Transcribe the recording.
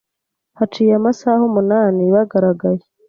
Haciye amasaha umunani bagaragaye